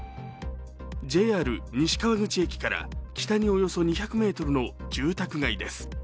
ＪＲ西川口駅から北におよそ２００ｍの住宅街です。」